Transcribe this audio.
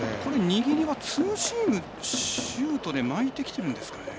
握りはツーシームシュートで巻いてきてるんでしょうか。